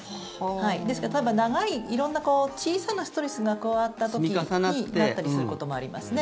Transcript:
ですから長い色んな小さなストレスが加わった時になったりすることもありますね。